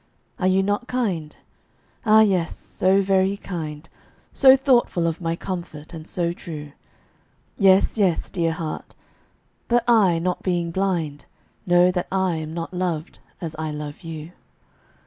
Are you not kind? Ah, yes, so very kind So thoughtful of my comfort, and so true. Yes, yes, dear heart; but I, not being blind, Know that I am not loved as I love you.